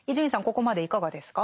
ここまでいかがですか？